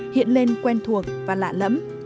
hiện lên quen thuộc và lạ lẫm